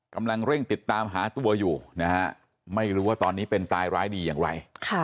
กำลังเร่งติดตามหาตัวอยู่นะฮะไม่รู้ว่าตอนนี้เป็นตายร้ายดีอย่างไร